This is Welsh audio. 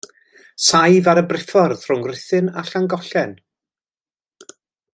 Saif ar y briffordd rhwng Rhuthun a Llangollen.